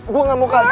gue gak mau kasih